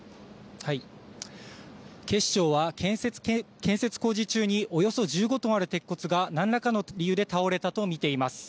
警視庁は建設工事中におよそ１５トンある鉄骨が何らかの理由で倒れたと見ています。